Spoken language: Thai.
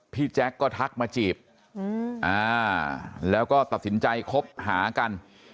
แจ๊คก็ทักมาจีบแล้วก็ตัดสินใจคบหากัน